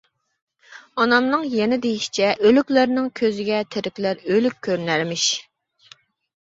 ئانامنىڭ يەنە دېيىشىچە، «ئۆلۈكلەرنىڭ كۆزىگە تىرىكلەر ئۆلۈك كۆرۈنەرمىش» .